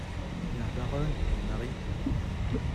La Baronne et Marie.